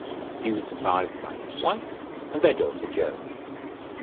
He was survived by his wife and their daughter Joan.